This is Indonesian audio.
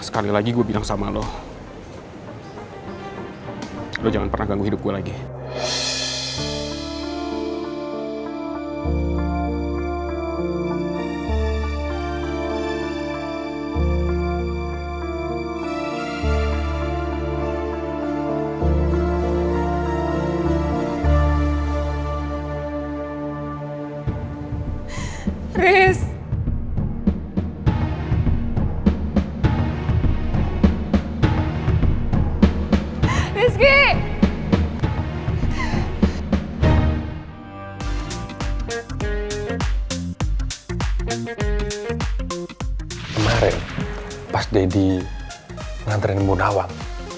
kemarin pas deddy nganterin bu nawang